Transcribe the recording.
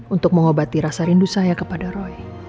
untuk mengobati rasa rindu saya kepada roy